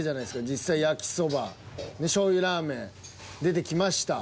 実際焼そば醤油ラーメン出てきました。